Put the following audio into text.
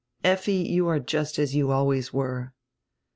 "Effi, you are just as you always were."